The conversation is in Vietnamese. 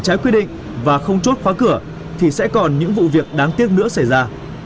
trái quy định và không chốt khóa cửa thì sẽ còn những vụ việc đáng tiếc nữa xảy ra